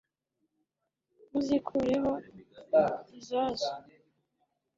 muzikureho izazo